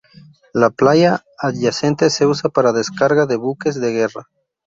La playa adyacente se usa para la descarga de buques de guerra.